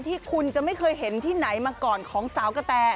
ที่คุณจะไม่เคยเห็นที่ไหนมาก่อนของสาวกะแต